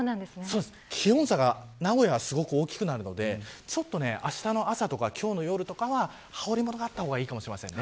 気温差が名古屋は大きくなるのであしたの朝とか今日の夜とかは羽織物があった方がいいかもしれません。